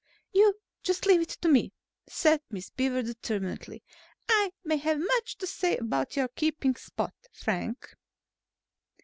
"You just leave that to me," said Miss Beaver determinedly. "I may have much to say about your keeping Spot, Frank."